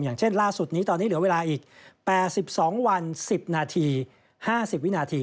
อย่างเช่นล่าสุดนี้ตอนนี้เหลือเวลาอีก๘๒วัน๑๐นาที๕๐วินาที